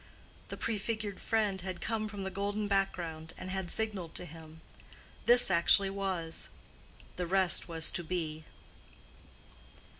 The prefigured friend had come from the golden background, and had signaled to him: this actually was: the rest was to be.